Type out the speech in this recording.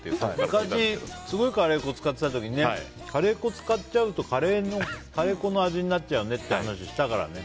昔、すごいカレー粉を使っていた時にねカレー粉使っちゃうとカレー粉の味になっちゃうねって話をしたからね。